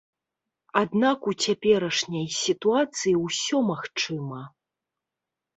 Аднак у цяперашняй сітуацыі ўсё магчыма.